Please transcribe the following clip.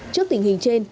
trước tình hình trên